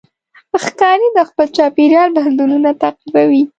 ښکاري د خپل چاپېریال بدلونونه تعقیبوي.